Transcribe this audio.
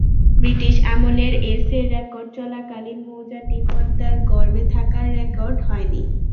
British আমলের SA record চলাকালীন মৌজাটি পদ্মার গর্ভে থাকায় রেকর্ড হয়নি।